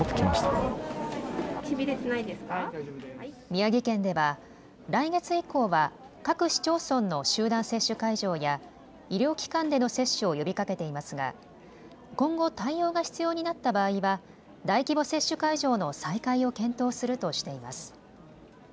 宮城県では、来月以降は各市町村の集団接種会場や、医療機関での接種を呼びかけていますが、今後、対応が必要になった場合は、大規模接種会場の再開を検討するとしています。